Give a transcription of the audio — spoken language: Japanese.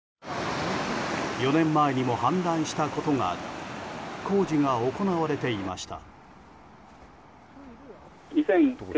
４年前にも氾濫したことがあり工事が行われていました。